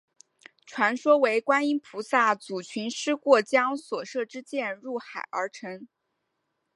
传说为观音菩萨阻群狮过江所射之箭入江而成。